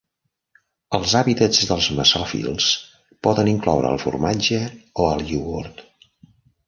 Els hàbitats dels mesòfils poden incloure el formatge o el iogurt.